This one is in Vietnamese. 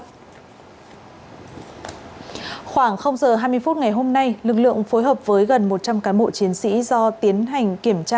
khoảng giờ hai mươi phút ngày hôm nay lực lượng phối hợp với gần một trăm linh cán bộ chiến sĩ do tiến hành kiểm tra